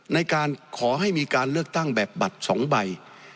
ในการขอให้มีการเลือกตั้งแบบบัตร๒ใบ